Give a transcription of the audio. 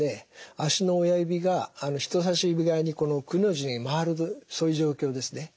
足の親指が人さし指側にくの字に曲がるそういう状況ですね。